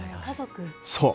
そう。